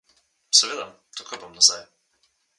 Seveda, takoj bom nazaj.